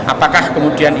apakah kemudian ini